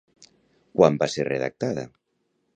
Quan va ser redactada?